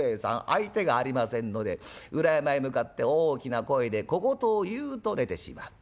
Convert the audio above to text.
相手がありませんので裏山へ向かって大きな声で小言を言うと寝てしまう。